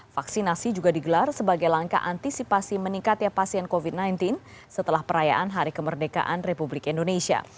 vaksinasi juga digelar sebagai langkah antisipasi meningkatnya pasien covid sembilan belas setelah perayaan hari kemerdekaan republik indonesia